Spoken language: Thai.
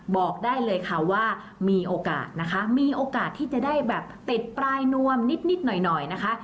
บอกได้เลยค่ะว่ามีโอกาสนะคะมีโอกาสที่จะได้แบบติดปลายนวมนิดหน่อยหน่อยนะคะ